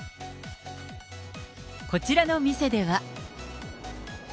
こちらの店では。